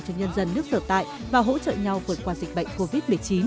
cho nhân dân nước sở tại và hỗ trợ nhau vượt qua dịch bệnh covid một mươi chín